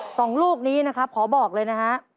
สองลูกนี้นะครับขอบอกเลยนะฮะ